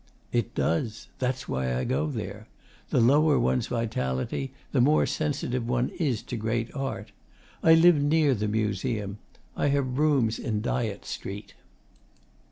'It does. That's why I go there. The lower one's vitality, the more sensitive one is to great art. I live near the Museum. I have rooms in Dyott Street.